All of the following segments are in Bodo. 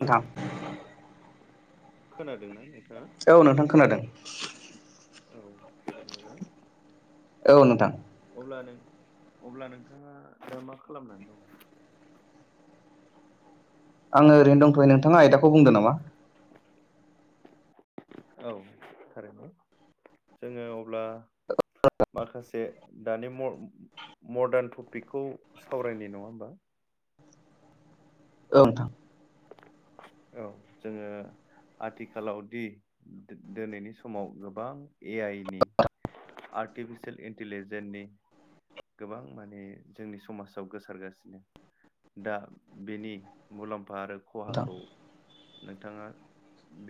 हेलौ था खोनादोंना नोंथाङा औ नोंथां खोनादों औ बि मोजां औ नोंथां ब्ला अब्ला नोंथाङा मा खालामनानै दं आङो ओरैनो दंथ'यो नोंथाङा आयदाखौ बुंदों नामा औ थारैनो जोङो अब्ला माखासे दानि मदार्न टपिकखौ सावरायनाय नङा होमबा ओं थां औ जोङो आथिखालाव दि दिनैनि समाव गोबां ए आइ नि आर्टिफिसियेल इन्टिलिजेन्सनि गोबां माने जोंनि समाजाव गोसारगासिनो दा बेनि मुलाम्फा आरो नोंथां खहाखौ नोंथाङा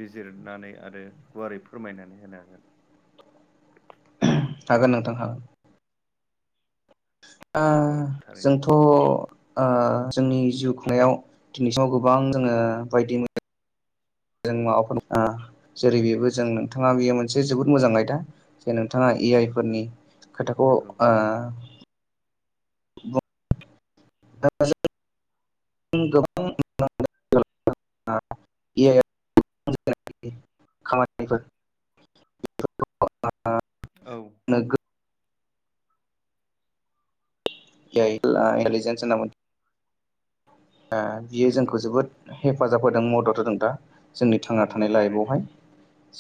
बिजिरनानै आरो गुवारै फोरमायनानै होनो हागोन हागोन नोंथां हागोन ओ औ थारैनो जोंथ' ओ जोंनि जिउ खुंनायाव दिनैसिमाव गोबां जोङो बायदि म जों माबाफोर ओ जेरै बेबो जों नोंथाङा बेयो मोनसे जोबोद मोजां आयदा जे नोंथाङा ए आइ फोरनि खोथाखौ नंगौ ओ गोबां ओ ए आइ आव खामानिफोरखौ औ इन्टेलिजेन्स न मोन बियो नंगौ जोंखौ जोबोद हेफाजाब होदों मदद होदों दा जोंनि थांना नंगौ थानाय थारैनो लाइफआवहाय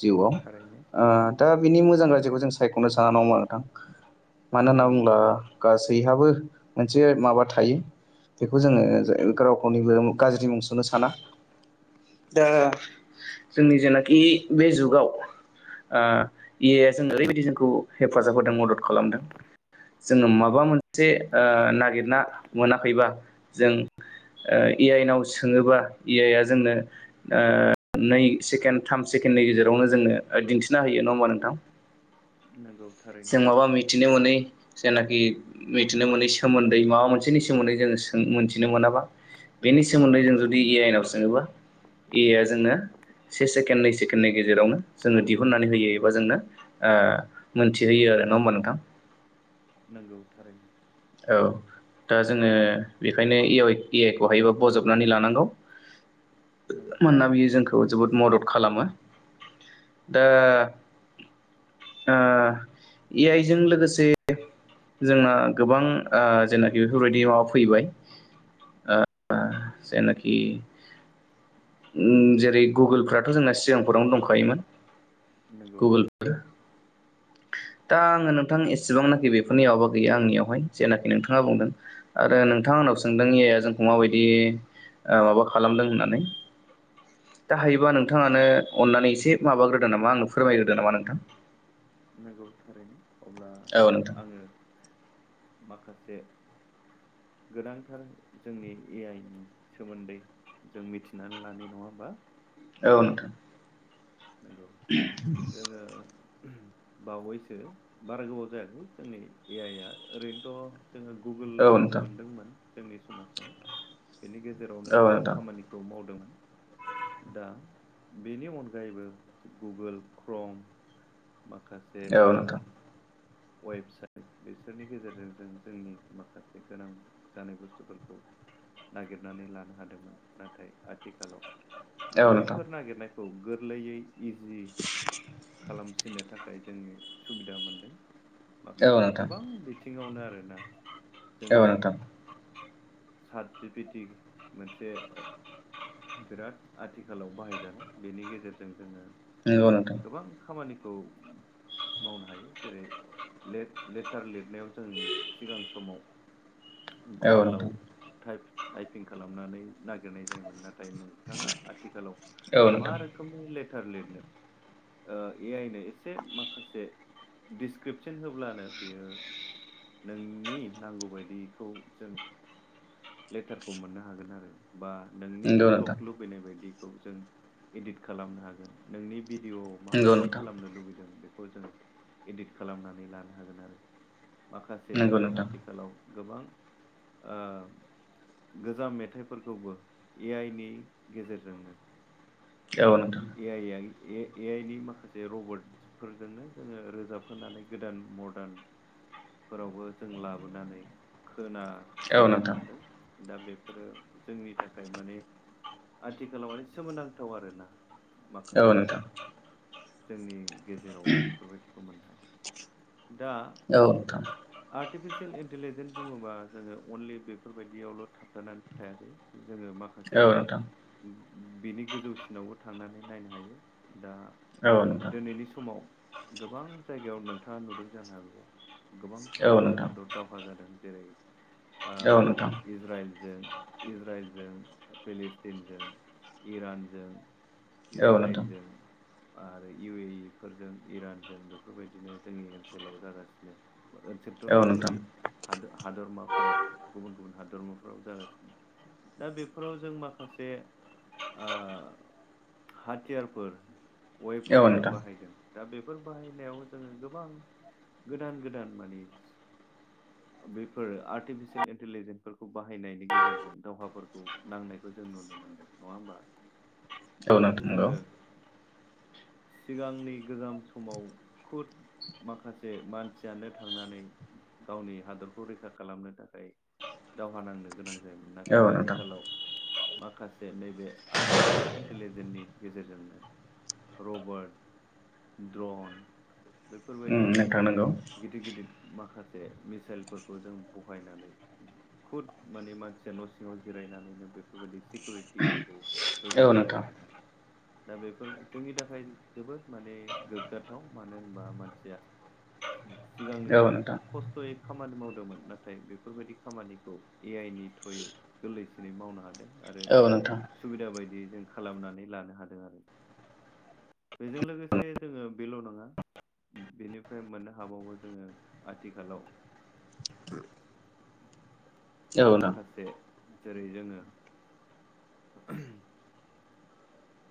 जिउआव थारैनो ओ दा बिनि मोजां गाज्रिखौ जों सायख'नो सान नांग मा नोंथां मानो होनना नंगौ बुङोब्ला गासैहाबो मोनसे माबा थायो बेखौ जोङो रावखौनिबो गाज्रि मुंस'नो साना दा जोंनि जेनाखि बे जुगाव ओ ए आइ जों ओरैबायदि जोंखौ हेफाजाब होदों मदद खालामदों जोङोनो माबा मोनसे नागिरना मोनाखैबा जों ए आइनाव सोङोबा ए आइ आ जोंनो नै सेकेणड थ थाम सेकेण्डनि गेजेरावनो जोङो दिन्थिना होयो नङा होमबा नोंथां नंगौ थारैनो जों माबा मिथिनो मोनै जेनाखि मिथिनो मोनै सोमोन्दै माबा मोनसेनि सोमोन्दै जोङो मिथिनो मोनाबा बेनि सोमोन्दै जों जुदि ए आइनाव सोङोबा ए आ जोंनो से सेकेणड नै सेकेण गेजेरावनो जोङो दिहुननानै होयो एबा जोंनो ओ मोनथिहोयो आरो नङा होमबा नोंथां नंगौ थारैनो औ दा जोङो बेखायनो ए आइ ए आइ खौहोयोबा बजबनानै लानांगौ नंगौ मोनना बियो जोंखौ जोबोद मदद खालामो दा ओ ए आइजों लोगोसे जोंना गोबां ओ जेनाखि बेफोरबायदि माबा फैबाय ओ आ जेनाखि उ जेरै गुगोलफ्राथ' जोंना सिगांफोरावनो दंखायोमोन। नंगौ गुगोलफोर दा आङो नोंथां एसेबांनाखि बेफोरनि माबा गैया आंनियाव जेनाखि नोंथाङा बुंदों आरो नोंथांआ आंनाव नंगौ सोंदोंदि मा बायदि ओ माबा खालामदों होननानै दाहायोबा नों नोंथांआनो अननानै एसे माबाग्रोदो नामा आंनो फोरमायग्रोदो नामा नोंथां। नंगौ थारैनो अब्ला औ नोंथां आङो माखासे गोनांथार जोंनि ए आइ नि सोमोन्दै जों मिथिनानै लानाय नङा होमबा। औ नोंथां। नंगौ जोङो बावैसो बारा गोबाव जायाखै जोंनि ए आइ आ ओरैनोथ' जोङो औ गुगोलखौ नोंथां मोनदोंमोन जोंनि समाजाव। बेनि गेजेरावनो औ जों नोंथां खामानिखौ मावदोंमोन दा बेनि अन गायैबो जायबो गुगोल क्रम माखासे औ ओ नोंथां अयेबसाइट बिसोरनि गेजेरजों जों जोंनि माखासे गोनां जानाय बुस्थुफोरखौ नागिरनानै लानो हादोंमोन नाथाय आथिखालाव औ नोंथां बैफोर नागिरनायखौ गोरलैयै इजि खालामसै जोंनो थाखाय जोंनो सुबिदा मोनदों औ माखासे नोंथां गोबां बिथिङावनो आरो ना ओ नोंथां। सार्टिफिटि मोनसे बिराद आथिखालाव बाहायजानाय बेनि गेजेरजों जोङो नंगौ नोंथां गोबां खामानिखौ मावनो हायो जेरै लेथ लेटार लिरनायाव जों सिगां समाव औ गुगोलाव नोंथां टाइफ टाइपिं खालामनानै नागिरनाय जायोमोन आरो ओंफ्राय नोंथांआ आथिखालाव औ मा नोंथां रोखोमनि ले थार लिरनो ओ ए आइ नो एसे मसे दिस इसक्रिपसन होब्लानो बियो नोंनि नांगौबायायदिखौ जों लेटारखौ मोननो हागोन आरो। बा नोंनि नंगौ नोंथां फटख' लुबैनाय बायदिखौ जों इदिट खालामनो हागोन नोंनि भिडिअ' नंगौ माबायदि नोंथां खालामनो लुबैदों बेखौ जों इडिट खालामनानै लानो हागोन आरो। माखासे नंगौ जों नोंथां आथिखालाव गोबां ओ गोजाम मेथाइफोरखौबो ए आइ नि गेजेरजोंनो औ नोंथां ए आइ ए आइ ए ए आइ नि माखासे रबटसफोरजोंनो जोङो रोजाबहोनानै गोदान मदारन फोरावबो जों लाबोनानै औ खोनाफिननो नोंथां मोनदों। दा बेफोरो जोंनि थाखाय माने आथिखालाव माने सोमोनांथाव आरोना। औ माखासे नोंथां। जोंनि गेजेराव बेफोरबायदिखौ मोननो ह दा औ नोंथां आर्टिफिस सियेल इन्टेलिजेन्स बुङोबा जोङो अनलि बेफोरबायदियावल' थाब खिथानानै थायाखै जोङो माखासे औ नोंथां बिनि गोजौसिनावबो थांनानै नायनो हायो दा औ नोंथां दिनैनि समाव गोबां जायगायाव नोंथाङा नुदों जानो हागौ गोबां औ हादरजों नोंथां हादर दावहा जादों। जेरै ओ औ नोंथां इज्राइल, जों इज्राइल जों फलिस्टिनजों इरानजों औ नोंथां औ नोंथां इज्राइलजों आरो इउ ए इ फोरजों इरानजों बेफोरबायदिनो जोंनि ओनसोलाव जागासिनो। ओनसोलथ' नोङा सरि हाद-हादरमाफोराव गुबुन गुबुन हादोरमाफोराव जागासिनो। दा बेफोराव जों माखासे ओ हाथियारफोर वेफनफोर बाहायदों। दा बे फोर बाहायनायाव जोंङो गोबां गोदान गोदान माने बेफोर आर्टिफिसियेल इन्टिलिजेन्सफोरखौ बाहायनायनि गेजेरजों दावहाफोरखौ नांनायखौ जों नुनो मोनदों। नङा होमबा? औ नोंथां नंगौ। जोङो [inaudible] सिगांनि गोजाम समाव खुद माखासे मानसियानो थांनानै गावनि हादरखौ रैखा खालामनो थाखाय दावहा नांनो गोनां जायोमोन औ नाथाय नोंथां आथिखालाव माखासे नैबे आरटिपि सेल इन्टेलिजेन्सनि गेजेरजोंनो रबार्ट द्रन उम बेफोरबायदि नोंथां नंगौ गिदिर गिदिर माखा से मिसाइलफोरखौ जों बहायनानै खुद माने मानसिया न' सिङाव जिरायनानैनो बेफोरबायदि सिकिउरिटिफोरखौ औ होगासिनो नोंथां आरोना। दा बेफोर जोंनि थाखाय जोबोद माने गोग्गाथाव। मानो होनबा मानसिया सिगांनि औ नोंथां औ नोंथां औ नोंथां औ नोंथां औ नोंथां औ नोंथां औ नोंथां औ नोंथां औ समाव बेसां खस्थ'यै खामानि मावदोंमोन नाथाय बेफोरबायदि खामानिखौ ए आइ नि थ्रुयै गोरलैसिनै मावनो हादों। आरो सुबिदा बायदियै जों खालामनानै लानो हादों आरो। बेजों लोगोसे जोंङो बेल' नङा बेनिफ्राय मोननो हाबावो जोंङो आथिखालाव माखासे जेरै जोङो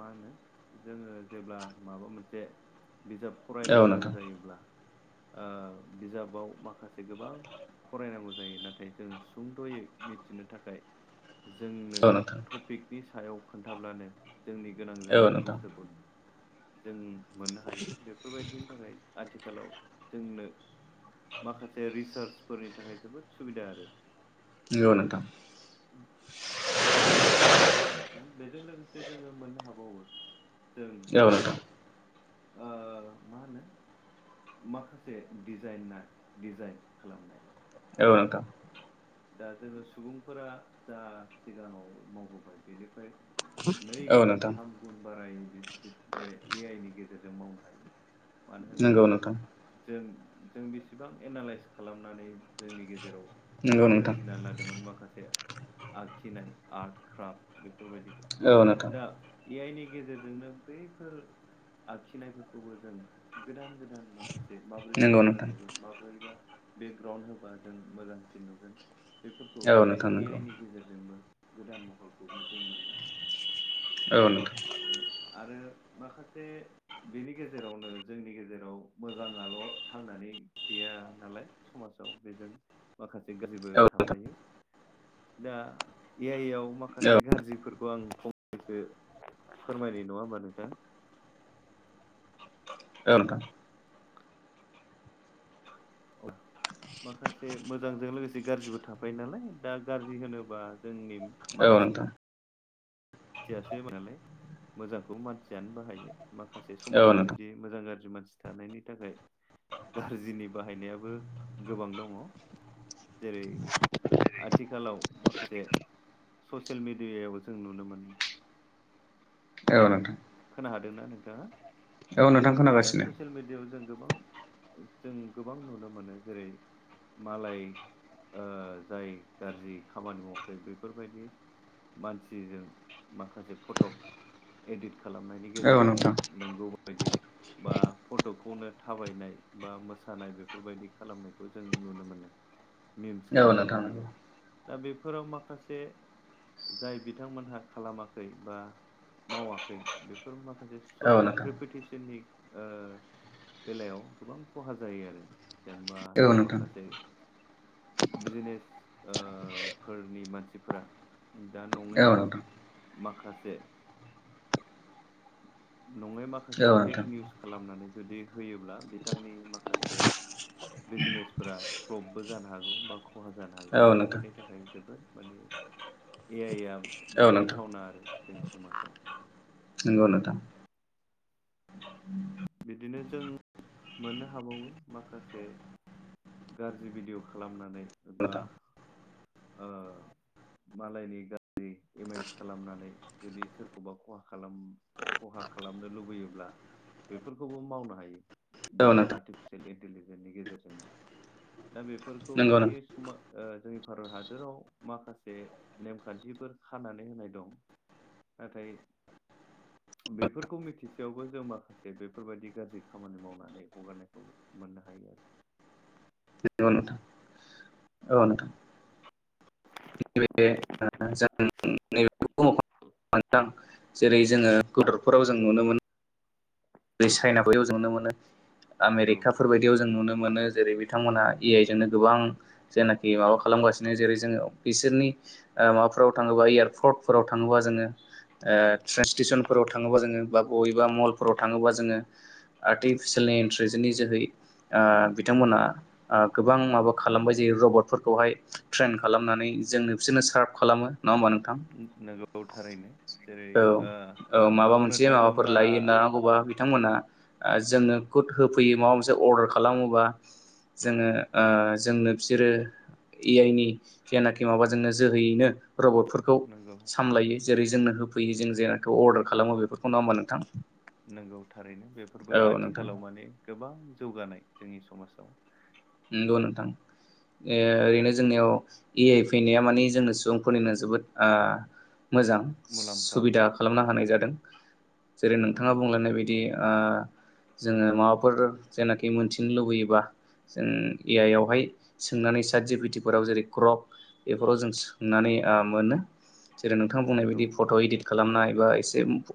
मा होनो जोङो जेब्ला माबा मोनसे बिजाब फरायनो गोनां जायोब्ला ओ बिजाबाव माखासे गोबां फरायनांगौ जायो। नाथाय जोंङो सुंद'यै मिथिनो थाखाय जोंनो टपिकनि सायाव खोन्थाब्लानो जोंनि गोनां जानाय बुस्थुखौ जों मोननो हायो। बेफोरबायदिनि थाखाय आथिखालाव जोंनो माखासे रिसार्चफोरनि थाखाय जोबोद सुबिदा आरो। नोंगौ नोंथां। बेयावल' थाबथानानै थायाखै नोंथां। बेजों लोगोसे जोङो मोननो हाबावो जों जेब्ला ओ मा होनो माखासे दिजाइनार डिजाइन खालामनाय। औ नोंथां। दा जोंङो सुबुंफोरा जा सिगाङाव मावबोबाय बेनिफ्राय नै औ गुन नोंथां थाम गुन बाराय बे ए आइ नि गेजेरजों मावनो हायो। मानो नंगौ होनोबा नोंथां जों जों बेसेबां एनालइस खालामनानै जोंनि गेजेराव नंगौ नोंथां सोरजिनानै लादोंमोन माखासे आखिनाय आर्ट क्राफ्ट बे फोरबायदि। औ नोंथां दा ए आइनि गेजेरजोंनो बैफोर आखिनायफोरखौबो जों गोदान गोदान माखा से माबोरैबा नंगौ मोजां नोंथां नुगोन माबोरैबा बेकग्राउन्ड होबा जों मोजांसिन नुगोन बेफोरखौ औ बे नोंथां ए आइ नंगौ नि गेजेरजोंबो गोदान महरखौ जों मोननो हायो। औ नोंथां। बे आरो माखासे बेनि गेजेरावनो जोंनि गेजेराव मोजाङाल' थांना नै गैया नालाय समासाव बेजों माखा से गाज्रिबो औ थाफायो। दा ए आइ आव औ माखासे गाज्रिफोरखौ आं फंनैसो फोरमायबाय। नङा होमबा नोंथां? ओं [inaudible] माखासे मोजांजों लोगोसे गाज्रिबो थाफायो नालाय दा गाज्रि होनोबा जोंनि औ नोंथां थियासो बानालाय मोजांखौ मानसियानो बाहायो माखासे औ समाजाव नोंथां बिदि मोजां गाज्रि जि मानसि थानायनि थाखाय गाज्रिनि बाहायनायाबो गोबां दङ जेरै आथिखालाव माखादे ससेल मिडियायाव जों नुनो मोनो औ नोंथां खोना हादोंना नोंथाङा औ नोंथां दा खोनागासिनो ससेल मिडियायाव जों गोबां जों गोबां नुनो मोनो जेरै मालाय ओ जाय गाज्रि खामानि मावाखै बेफोरबायदि मानसिजों माखासे फटक एदिट खालामनायनि औ गेजेरजों नोंथां नोंगौ बायदि बा फटकखौनो थाबायनाय बा मोसानाय बेफोरबायदि खालामनायखौ जों नुनो मोनो मिमस औ खालामनाय नोंथां नुयो औ दा बेफोराव माखासे जाय बिथांमोनहा खालामाखै बा मावाखै बेफोर माखासे ससेल नोंथां रेपुटिसननि ओ बेलायाव गोबां खहा जायो आरो जेनेबा औ नोंथां औ नोंथां माखासे बिजनेस ओ फोरनि मानसिफोरा दा नङै औ नोंथां माखासे नङै माखासे फेक निउस खालामनानै जुदि होयोब्ला बिथांनि माखासे बिजनेसफोरा फ्लपबो जानो हागौ बा खहा जानो हागौ औ बेफोरनि नोंथां थाखाय जोबोद माने ए आइ आ औ गिथावना आरो जोंनि समाजाव नोंगौ नोंथां बिदिनो जों मोननो हाबावो माखासे गाज्रि भिडिय खालामनानै बा नोंथां ओ मालायनि गाज्रि एमाइस खालामनानै जुदि सोरखौबा खहा खालाम खहा खालामनो लुबैयोब्ला बेफोरखौबो मावनो हायो बे औ नोंथां आर्टिफिसियेल इन्टलिजेन्सनि गेजेरजों दा बेफोरखौ नंगौ जोंनि नोंथां समा ओ जोंनि भारत हादराव माखासे नेमखान्थिफोर खानानै होनाय दं नाथाय बेफोरखौ मिथिसेयावबो जों माखा जे बेफोरबायदि गाज्रि खामानि मावनानै हगारनायखौ मोननो हायो आरो नंगौ नोंथां औ नोंथां नैबे ओ जों नैबे [inaudible] [unintelligible] जेरै जोङो गदरफोराव जों नुनो मोनो जेरै चाइना बैयाव जनो मोनो नंगौ आमेरिकाफोर बायदियाव जों नुनो मोनो जेरै बिथांमोनहा ए आइ जोंनो गोबां जेयनाखि माबा खालामगासिनो जेरै जोङो बिसोरनि ओ माबाफोराव थाङोबा एयारफ्रटफोराव थाङोबा जोङो ओ नंगौ ट्रेन्स सिटेसनफोराव थाङोबा जोङो बा बबेबा मलफोराव थाङोबा जोङो आर्टिफिसिलनि इन्टलिजेन्नि जोहै ओ बिथांमोना ओ गोबां माबा खालामबाय जायो रबटफोरखौहाय ट्रेन खालामनानै जोंनो बिसोरनो सार्भ खालामो नङा होमबा नों नोगौ थारैनो जेरै औ ओ बुंनो थाङोब्ला ओ बिथांमोना ओ जोङो गुद होफैयो माबा मोनसे अर्डार खालामोबा जोङो ओ जोंनो बिसोरो ए आइनि जनाखि माबा जोंनो जोहैयैनो रबटफोरखौ नोंगौ सामलायो जेरै जोंनो होफैयो जों जेखौ अर्डार खालामो बेफोरखौ नङाोमबा नोंथां नंगौ थारैनो औ बेफोरबो नोंथां आथिखालाव माने गोबां जौगानाय जोंनि समाजाव नंगौ नोथां ओ ओरैनो जोंनियाव ए आइ फैनाया मानि जोंनो सुबुंफोरनिनो जोबोद ओ मोजां मुलाम्फा सुबिदा खालामनो हानाय जादों जेरै नोंगौ नोंथाङा बुंलायनाय बायदि ओ जोङो माबाफोर जेनाखि मोनथिनो लुबैयोबा जों ए आइ आवहाय सोंनानै साजबिटिफोराव जेरै क्रप बेफोराव जों सोंनानै ओ मोनो जेरै नोंथां बुंनाय बायदि नोंगौ फट' इदिट खालामनाय बा एसे